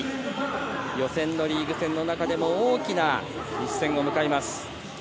予選のリーグ戦の中でも大きな一戦を迎えます。